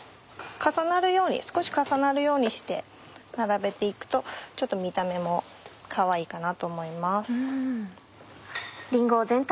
少し重なるようにして並べて行くとちょっと見た目もかわいいかなと思います。